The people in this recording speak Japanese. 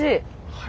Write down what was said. はい。